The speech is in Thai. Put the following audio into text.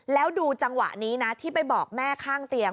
แล้วดูจังหวะนี้นะที่ไปบอกแม่ข้างเตียง